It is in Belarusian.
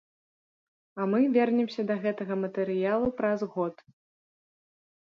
А мы вернемся да гэтага матэрыялу праз год.